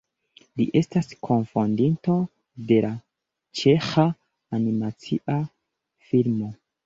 Li estas kunfondinto de la Ĉeĥa Animacia Filmo.